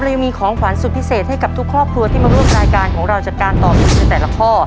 ยังมีของขวัญสุดพิเศษให้กับทุกครอบครัวที่มาร่วมรายการของเราจากการตอบถูกในแต่ละข้อ